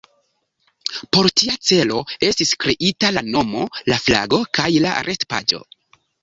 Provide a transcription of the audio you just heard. Por tia celo estis kreita la nomo, la flago kaj la retpaĝo.